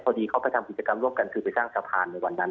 พอดีเขาไปทำกิจกรรมร่วมกันคือไปสร้างสะพานในวันนั้น